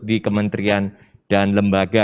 di kementerian dan lembaga